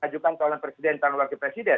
ajukan calon presiden calon wakil presiden